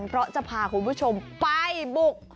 เพราะจะพาคุณผู้ชมไปบุก